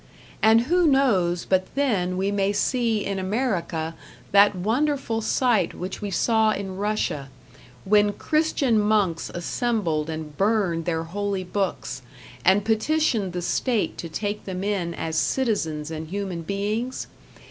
And who knows but then we may see in America that wonderful sight which we saw in Russia, when Christian monks assembled and burned their holy books, and petitioned the state to take them in as citizens and human beings?